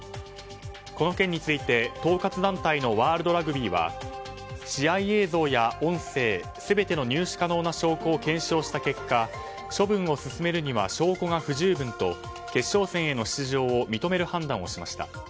この件について統括団体のワールドラグビーは試合映像や音声全ての入手可能な証拠を検証した結果処分を進めるには証拠が不十分と決勝戦への出場を認める判断をしました。